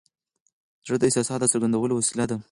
زړه د احساساتو د څرګندولو وسیله ده.